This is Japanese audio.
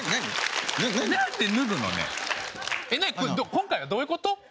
今回はどういう事？